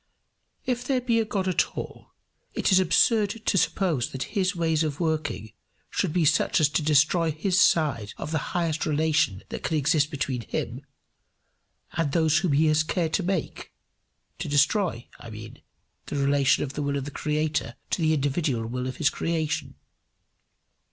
If there be a God at all, it is absurd to suppose that his ways of working should be such as to destroy his side of the highest relation that can exist between him and those whom he has cared to make to destroy, I mean, the relation of the will of the creator to the individual will of his creature.